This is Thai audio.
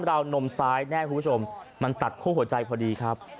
วนมซ้ายแน่คุณผู้ชมมันตัดคู่หัวใจพอดีครับ